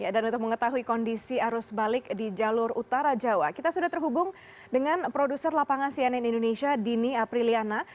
dan untuk mengetahui kondisi arus balik di jalur utara jawa kita sudah terhubung dengan produser lapangan cnn indonesia dini apriliana